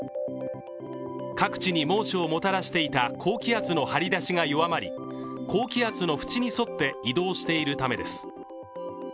各地に猛暑をもたらしていた高気圧の張り出しが弱まり高気圧の縁に沿って移動しているためです。